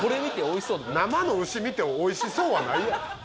生の牛見て美味しそうはないやろ。